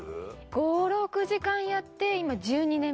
５６時間やって今１２年目です。